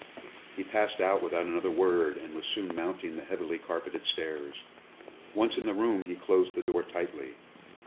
He passed out without another word, and was soon mounting the heavily carpeted stairs. Once in the room, he closed the door tightly.